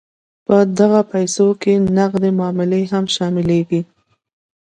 په دغه پیسو کې نغدې معاملې هم شاملیږي.